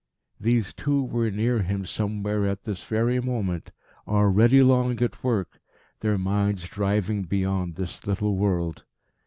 These two were near him somewhere at this very moment, already long at work, their minds driving beyond this little world.